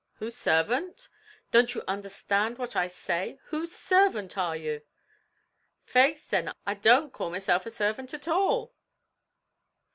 "Whose servant?" "Don't you understand what I say? whose servant are you?" "Faix thin, I don't call myself a servant at all."